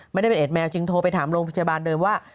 ไม่ได้เป็นเอ็ดแมวจึงโทรไปถามโรงพยาบาลเดิมว่า